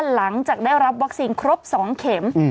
หลังจากได้รับวัคซีนครบ๒เข็ม